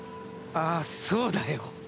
ああそうだよ。